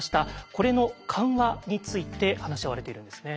これの緩和について話し合われているんですね。